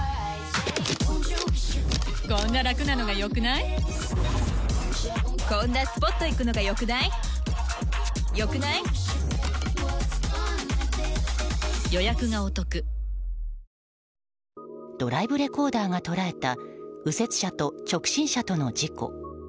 いいじゃないだってドライブレコーダーが捉えた右折車と直進車との事故。